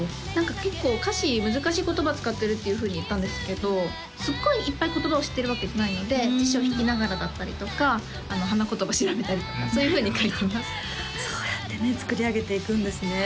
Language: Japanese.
結構歌詞難しい言葉使ってるっていうふうに言ったんですけどすっごいいっぱい言葉を知ってるわけじゃないので辞書引きながらだったりとか花言葉調べたりとかそういうふうに書いてますそうやってね作り上げていくんですね